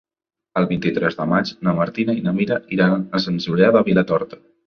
El vint-i-tres de maig na Martina i na Mira iran a Sant Julià de Vilatorta.